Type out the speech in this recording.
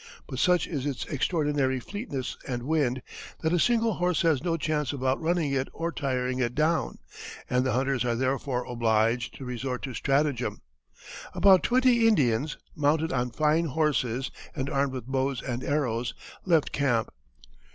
But such is its extraordinary fleetness and wind, that a single horse has no chance of outrunning it or tiring it down, and the hunters are therefore obliged to resort to stratagem. About twenty Indians, mounted on fine horses and armed with bows and arrows, left camp.